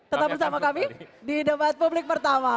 tetap bersama kami di debat publik pertama